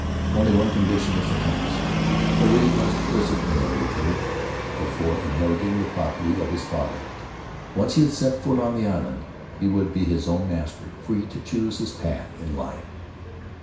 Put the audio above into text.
Only one condition was attached — Terii must visit Rimarutu before inheriting the property of his father; once he had set foot on the island, he would be his own master, free to choose his path in life.